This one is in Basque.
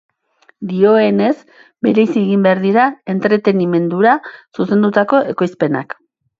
Dioenez, bereizi egin behar dira entretenimendura zuzendutako ekoizpenak.